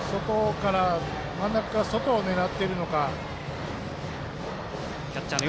真ん中から外を狙っているのか。